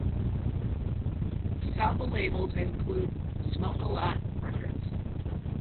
Sublabels include Smoke-a-Lot Records.